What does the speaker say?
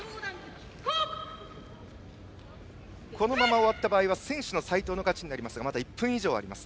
このまま終わった場合は先取の齊藤の勝ちになりますがまだ１分以上あります。